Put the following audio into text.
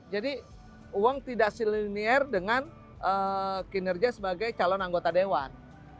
jadi uang tidak silinir dengan kinerja sebagai calon anggota dewan